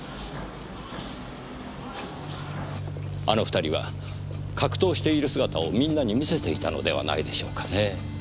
あの２人は格闘している姿をみんなに見せていたのではないでしょうかねぇ。